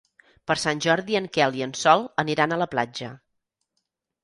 Per Sant Jordi en Quel i en Sol aniran a la platja.